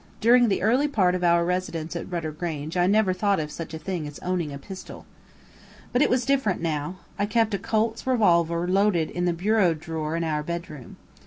During the early part of our residence at Rudder Grange I never thought of such a thing as owning a pistol. But it was different now. I kept a Colt's revolver loaded in the bureau drawer in our bedroom.